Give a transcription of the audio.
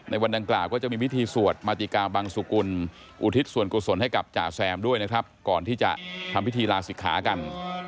วันดังกล่าวก็จะมีพิธีสวดมาติกาบังสุกุลอุทิศส่วนกุศลให้กับจ่าแซมด้วยนะครับก่อนที่จะทำพิธีลาศิกขากัน